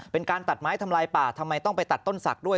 เป็นการตัดไม้ทำลายป่าทำไมต้องไปตัดต้นศักดิ์ด้วย